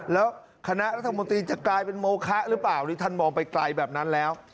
แล้วคณะรัฐมนตรีจะกลายเป็นโมคะหรือเปล่านี่ท่านมองไปไกลแบบนั้นแล้ว